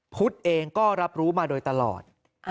พุทธเองก็รับรู้มาโดยตลอด